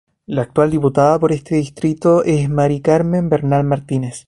La Actual Diputada por este Distrito es Mary Carmen Bernal Martínez.